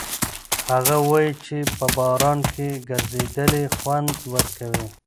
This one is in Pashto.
هغه وایي چې په باران کې ګرځېدل خوند ورکوي.